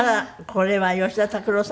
これは吉田拓郎さんと？